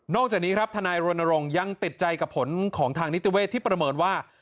นอกจากนี้ทนายโรนโรงยังติดใจกับผลของทางนิตเวศที่ประเมินว่า